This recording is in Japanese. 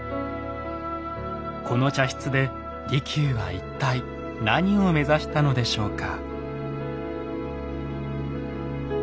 この茶室で利休は一体何を目指したのでしょうか？